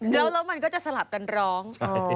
แล้วมันก็จะสลับกันร้อง